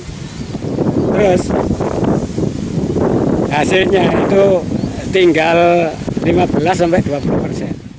terus hasilnya itu tinggal lima belas sampai dua puluh persen